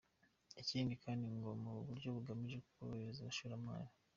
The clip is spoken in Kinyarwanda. Ikindi kandi ngo ubu buryo bugamije korohereza abashoramari.